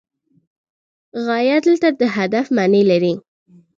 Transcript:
غایه دلته د هدف معنی لري.